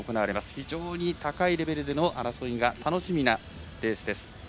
非常に高いレベルでの争いが楽しみなレースです。